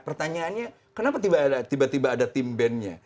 pertanyaannya kenapa tiba tiba ada tim band nya